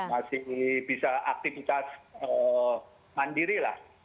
masih bisa aktivitas mandiri lah